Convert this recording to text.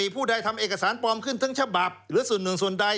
ผู้ใดทำเอกสารปลอมขึ้นทั้งฉบับหรือส่วนหนึ่งส่วนใด